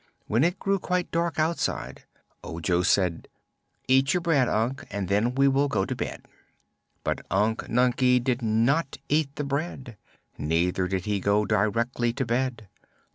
When it grew quite dark outside, Ojo said: "Eat your bread, Unc, and then we will go to bed." But Unc Nunkie did not eat the bread; neither did he go directly to bed.